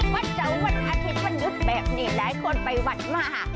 วันเสาร์วันอาทิตย์วันหยุดแบบนี้หลายคนไปวัดมา